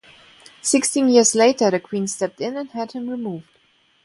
Sixteen years later the Queen stepped in and had him removed.